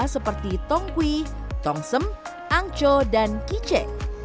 seperti tongkui tongsem angco dan kice